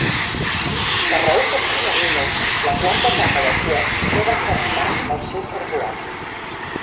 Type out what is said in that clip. Per raons desconegudes, la quarta etapa del coet no va cremar el seu carburant.